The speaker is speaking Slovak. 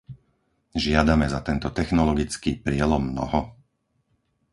Žiadame za tento technologický prielom mnoho?